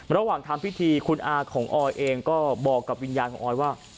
ระหว่างทำพิธีคุณอาของออยเองก็บอกกับวิญญาณของออยว่า